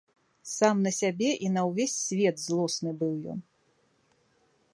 Сам на сябе і на ўвесь свет злосны быў ён.